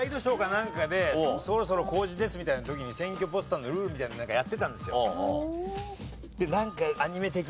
なんかでそろそろ公示ですみたいな時に選挙ポスターのルールみたいなのやってたんですよ。